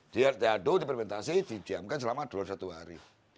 dia diadu dipermentasi didiamkan selama dua puluh satu hari